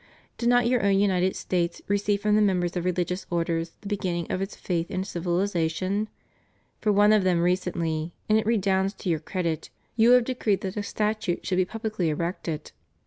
Did not your own United States receive from the members of rehgious orders the beginning of its faith and civihzation? For one of them recently, and it redounds to your credit, you have decreed that a statue should be pubHcly erected.